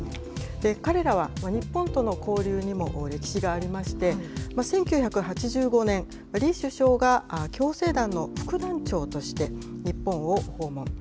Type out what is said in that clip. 彼らは日本との交流にも歴史がありまして、１９８５年、李首相が共青団の副団長として日本を訪問。